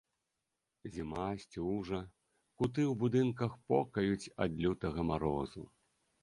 Зіма, сцюжа, куты ў будынках покаюць ад лютага марозу.